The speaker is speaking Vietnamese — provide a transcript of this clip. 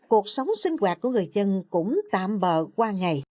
cuộc sống sinh hoạt của người dân cũng tạm bờ qua ngày